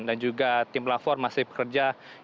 dan juga tim pelapor masih bekerja